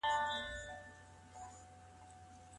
که حکمين په صلح موافق نسي څه بايد وکړي؟